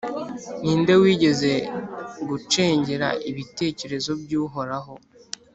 Ni nde wigeze gucengera ibitekerezo by’Uhoraho,